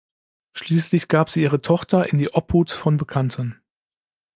Schließlich gab sie ihre Tochter in die Obhut von Bekannten.